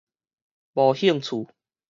無興趣